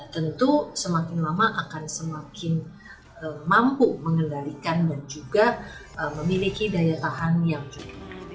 tentu semakin lama akan semakin mampu mengendalikan dan juga memiliki daya tahan yang cukup